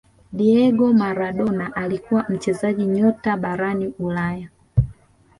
Diego Maradona alikuwa mchezaji nyota barani ulaya